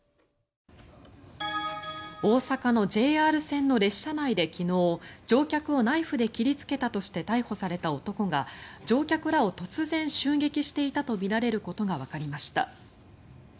大阪のＪＲ線の列車内で昨日乗客をナイフで切りつけたとして逮捕された男が乗客らを突然、襲撃していたとみられることがわかりました。